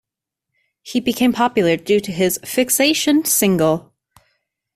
He became popular due to his "Fixation" single.